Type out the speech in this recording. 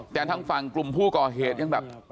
แต่ทางฝั่งกลุ่มผู้ก่อเหตุยังแบบ